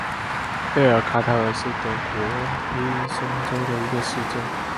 贝尔卡塔尔是德国黑森州的一个市镇。